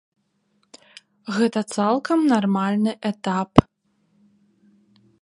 Гэта цалкам нармальны этап.